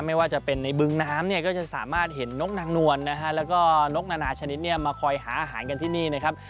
ไม่ว่าจะเป็นในบึงน้ำเนี่ยก็จะสามารถเห็นนกนางนวลนะฮะแล้วก็นกนานาชนิดเนี่ยมาคอยหาอาหารกันที่นี่นะครับ